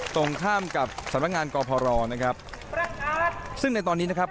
ตรงข้ามกับสำนักงานกพรนะครับซึ่งในตอนนี้นะครับ